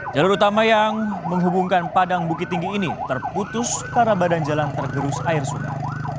jalur utama yang menghubungkan padang bukit tinggi ini terputus karena badan jalan tergerus air sungai